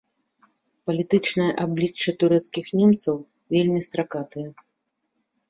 Палітычнае аблічча турэцкіх немцаў вельмі стракатае.